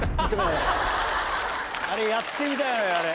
あれやってみたいのよあれ。